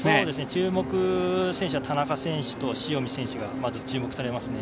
注目選手は田中選手と塩見選手がまず注目されますね。